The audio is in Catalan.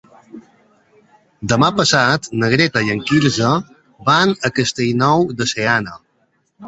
Demà passat na Greta i en Quirze van a Castellnou de Seana.